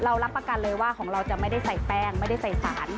รับประกันเลยว่าของเราจะไม่ได้ใส่แป้งไม่ได้ใส่สาร